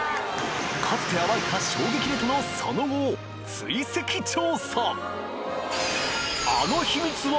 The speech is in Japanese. かつて暴いた衝撃ネタのその後を追跡調査！